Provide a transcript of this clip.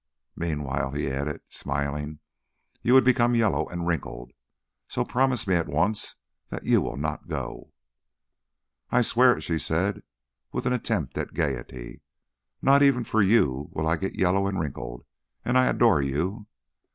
Meanwhile," he added, smiling, "you would become yellow and wrinkled. So promise me at once that you will not go." "I swear it!" she said with an attempt at gayety. "Not even for you will I get yellow and wrinkled and I adore you!